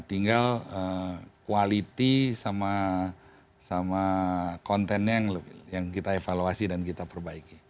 tinggal quality sama kontennya yang kita evaluasi dan kita perbaiki